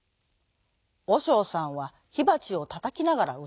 おしょうさんはひばちをたたきながらうたった。